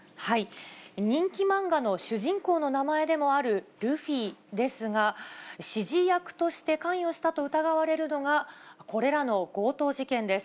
人気漫画の主人公の名前でもあるルフィですが、指示役として関与したと疑われるのが、これらの強盗事件です。